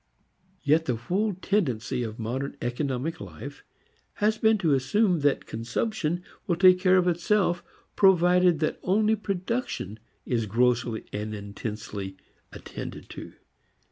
Yet the whole tendency of modern economic life has been to assume that consumption will take care of itself provided only production is grossly and intensely attended to.